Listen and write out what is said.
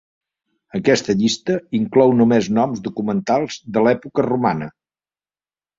Aquesta llista inclou només noms documentats de l'època romana.